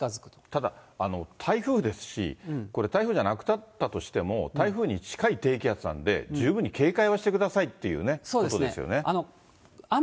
ただ、台風ですし、これ、台風じゃなくなったとしても、台風に近い低気圧なんで、十分に警戒はしてくださいっていうね、ことですよね。